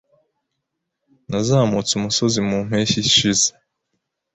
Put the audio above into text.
Nazamutse umusozi mu mpeshyi ishize.